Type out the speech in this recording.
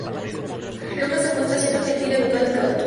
Lucas se muestra siendo gentil, educado y cauto.